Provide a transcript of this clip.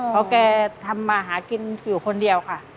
เพราะแกทำมาหากินอยู่คนเดียวค่ะ